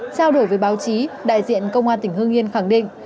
trao đổi với báo chí đại diện công an tỉnh hương yên khẳng định